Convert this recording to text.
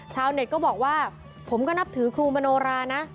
เน็ตก็บอกว่าผมก็นับถือครูมโนรานะ